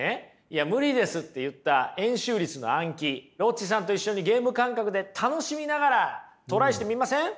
「いや無理です」って言った円周率の暗記ロッチさんと一緒にゲーム感覚で楽しみながらトライしてみません？